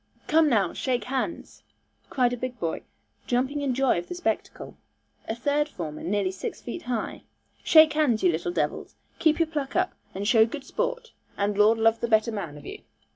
'Come now, shake hands,' cried a big boy, jumping in joy of the spectacle, a third former nearly six feet high; 'shake hands, you little devils. Keep your pluck up, and show good sport, and Lord love the better man of you.'